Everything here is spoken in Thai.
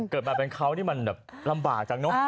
เกิดมาเป็นเขานี่มันแบบลำบากจังเนอะ